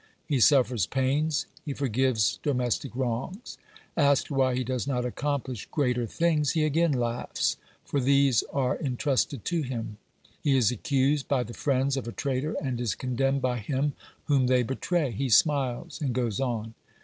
He suffers pains, he forgives domestic wrongs. Asked why he does not accomplish greater things, he again laughs, for these are entrusted to him ; he is accused by the friends of a traitor and is condemned by him whom they betray : he smiles and goes on.